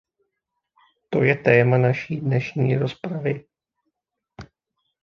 To je téma naší dnešní rozpravy.